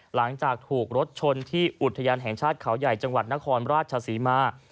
หลังจากถูกรถชนที่อุทยานแห่งชาติเขาใหญ่จังหวัดนครราชศรีมา